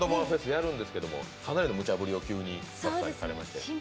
やるんですけどもかなりむちゃぶりをされまして。